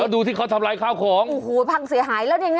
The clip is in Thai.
แล้วดูที่เขาทำไรข้าวของอู้หู้พังเสียหายแล้วเนี่ย